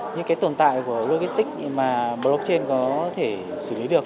những cái tồn tại của logistics mà blockchain có thể xử lý được